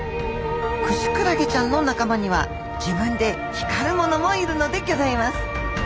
クシクラゲちゃんの仲間には自分で光るものもいるのでぎょざいます。